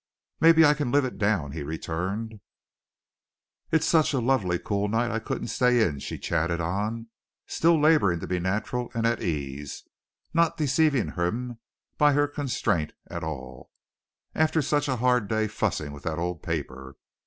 "Maybe I can live it down," he returned. "It's such a lovely cool night I couldn't stay in," she chatted on, still laboring to be natural and at ease, not deceiving him by her constraint at all, "after such a hard day fussing with that old paper.